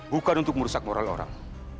bukan untuk merusak moral orang